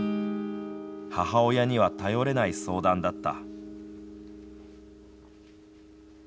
母親には頼れない相談だった。